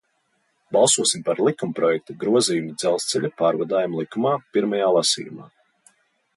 "Balsosim par likumprojekta "Grozījumi Dzelzceļa pārvadājumu likumā" pirmajā lasījumā!"